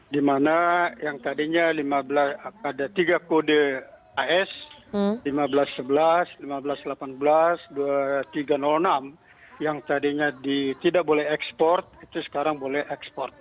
di mana yang tadinya ada tiga kode as seribu lima ratus sebelas lima belas delapan belas dua ribu tiga ratus enam yang tadinya tidak boleh ekspor itu sekarang boleh ekspor